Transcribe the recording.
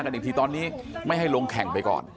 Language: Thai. อีกทีตอนนี้ไม่ให้ลงแข่งไปก่อน